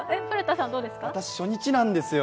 私、初日なんですよ。